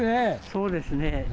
そうですね。